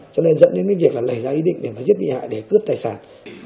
cho nên dẫn đến cái việc là nảy ra ý định để mà giết bị hại để cướp tài sản